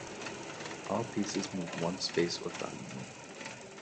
All pieces move one space orthogonally.